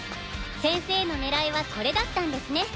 先生の狙いはこれだったんですね。